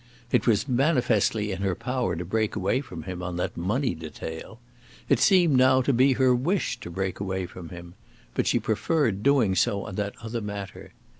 It was manifestly in her power to break away from him on that money detail. It seemed now to be her wish to break away from him; but she preferred doing so on that other matter.